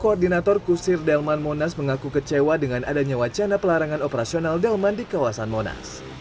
koordinator kusir delman monas mengaku kecewa dengan adanya wacana pelarangan operasional delman di kawasan monas